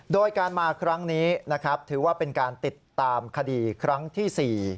โดยการมาครั้งนี้นะครับถือว่าเป็นการติดตามคดีครั้งที่๔